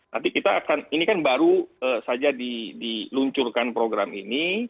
nanti kita akan ini kan baru saja diluncurkan program ini